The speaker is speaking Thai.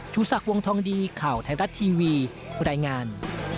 ชุดศักดิ์วงธองดีข่าวไทยรัฐทีวีรายงาน